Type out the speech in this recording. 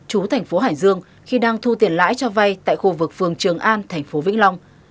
chú thành phố hải dương khi đang thu tiền lãi cho vay tại khu vực phường trường an thành phố vĩnh long